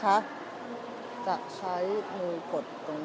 เดี๋ยวจะให้ดูว่าค่ายมิซูบิชิเป็นอะไรนะคะ